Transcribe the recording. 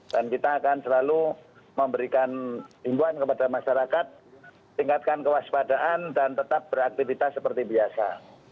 dan kita akan selalu memberikan imbuan kepada masyarakat tingkatkan kewaspadaan dan tetap beraktivitas seperti biasa